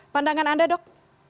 pandangan anda dok